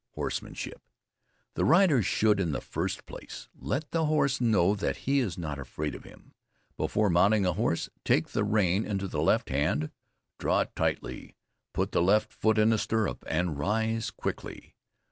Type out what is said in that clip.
HORSEMANSHIP. The rider should, in the first place, let the horse know that he is not afraid of him. Before mounting a horse, take the rein into the left hand, draw it tightly, put the left foot in the stirrup, and raise quickly.